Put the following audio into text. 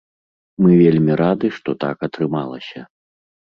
Мы вельмі рады, што так атрымалася.